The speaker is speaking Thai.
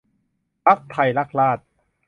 พรรคไทยรักราษฎร์